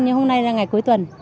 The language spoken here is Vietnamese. nhưng hôm nay là ngày cuối tuần